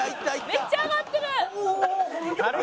「めっちゃ上がってる」